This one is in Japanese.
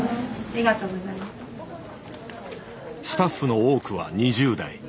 スタッフの多くは２０代。